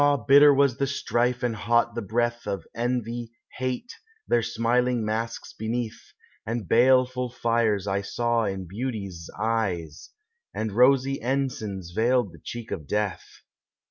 bitter was the strife, and hot the breath, Of envy, hate, their smiling masks beneath, And baleful fires I saw in beauties' eyes, And rosy ensigns veiled the cheek of death.